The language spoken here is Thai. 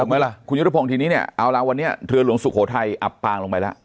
ไหมล่ะคุณยุทธพงศ์ทีนี้เนี่ยเอาละวันนี้เรือหลวงสุโขทัยอับปางลงไปแล้ว